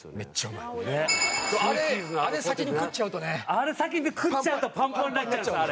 あれ先に食っちゃうとパンパンになっちゃうんです。